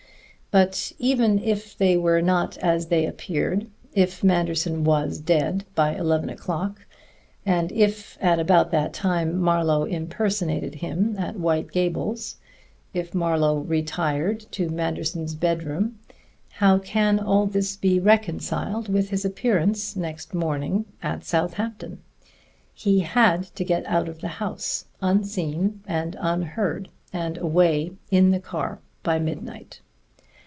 But even if they were not as they appeared; if Manderson was dead by eleven o'clock, and if at about that time Marlowe impersonated him at White Gables; if Marlowe retired to Manderson's bedroom how can all this be reconciled with his appearance next morning at Southampton? _He had to get out of the house, unseen and unheard, and away in the car by midnight.